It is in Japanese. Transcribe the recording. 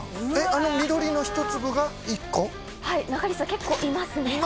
あの緑の１粒が１個⁉中西さん結構いますね。